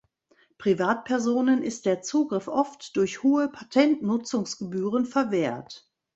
Privatpersonen ist der Zugriff oft durch hohe Patentnutzungsgebühren verwehrt.